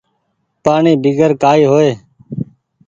پآڻيٚ بيگر ڪآئي هوئي ۔